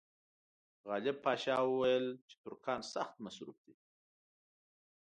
غالب پاشا وویل چې ترکان سخت مصروف دي.